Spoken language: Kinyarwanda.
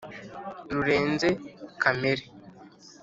rurenze kamere